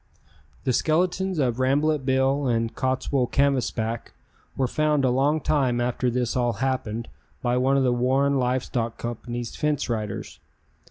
The skeletons of Rambolet Bill and Cottswool Canvasback were found a long time after this all happened by one of the Warren Live Stock Company's fence riders.